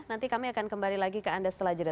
nanti kami akan kembali lagi ke anda setelah jeda